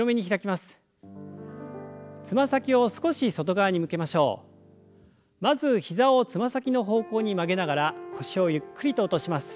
まず膝をつま先の方向に曲げながら腰をゆっくりと落とします。